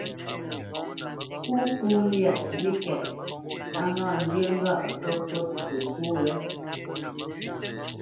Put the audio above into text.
Pópo lyá mbíkɛ̂t, á ŋǎ zhyə́ ŋgâʼ pə́ ŋkût popó wé.